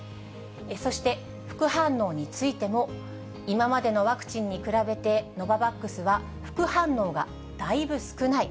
そして副反応についても、今までのワクチンに比べて、ノババックスは副反応がだいぶ少ない。